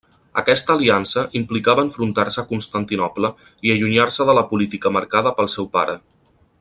Aquesta aliança implicava enfrontar-se a Constantinoble i allunyar-se de la política marcada pel seu pare.